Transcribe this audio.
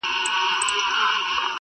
د غار خوله کي تاوېدله ګرځېدله,